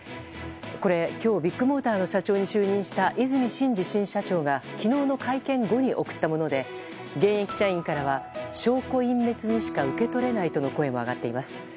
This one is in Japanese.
これ、今日ビッグモーターの社長に就任した和泉伸二新社長が昨日の会見後に送ったもので現役社員からは証拠隠滅にしか受け取れないとの声も上がっています。